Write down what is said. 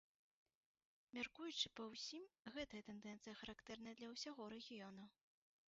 Мяркуючы па ўсім, гэтая тэндэнцыя характэрная для ўсяго рэгіёну.